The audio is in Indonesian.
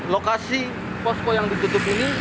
lokasi posko yang ditutup ini